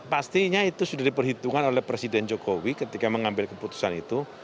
pastinya itu sudah diperhitungkan oleh presiden jokowi ketika mengambil keputusan itu